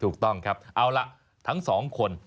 ถูกต้องครับเอาล่ะทั้งสองคน